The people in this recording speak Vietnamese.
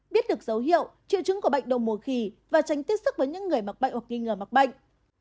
một biết được dấu hiệu triệu chứng của bệnh động mùa khỉ và tránh tiết sức với những người mắc bệnh hoặc nghi ngờ mắc bệnh